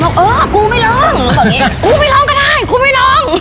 หนูก็บอกว่าเออกูไม่ร้องกูไม่ร้องก็ได้กูไม่ร้อง